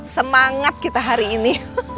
semangat kita hari ini